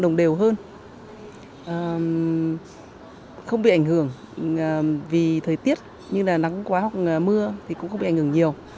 lồng đều hơn không bị ảnh hưởng vì thời tiết như là nắng quá hoặc mưa thì cũng không bị ảnh hưởng nhiều